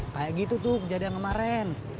kayak gitu tuh kejadian kemarin